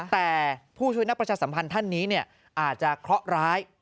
แต่ผู้ช่วยนักประชาสัมพันธ์ท่านนี้อาจจะเคราะห์ร้าย